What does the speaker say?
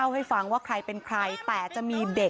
ต้องเลือกหน่อย